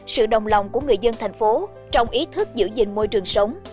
sự đồng lòng của người dân thành phố trong ý thức giữ gìn môi trường sống